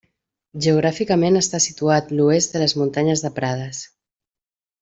Geogràficament està situat l'Oest de les Muntanyes de Prades.